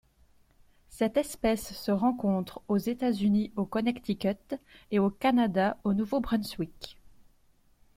Cette espèce se rencontre aux États-Unis au Connecticut et au Canada au Nouveau-Brunswick.